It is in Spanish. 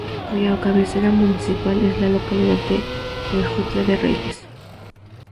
Cuya cabecera municipal es la localidad de Huejutla de Reyes.